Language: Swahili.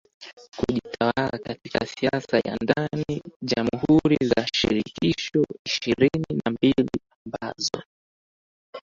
kujitawala katika siasa ya ndani Jamhuri za shirikisho ishirini na mbili ambazo